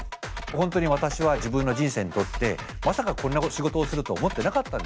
本当に私は自分の人生にとってまさかこんな仕事をすると思ってなかったんですね。